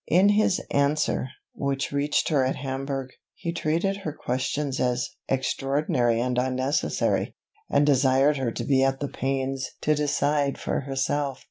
In his answer, which reached her at Hamburgh, he treated her questions as "extraordinary and unnecessary," and desired her to be at the pains to decide for herself.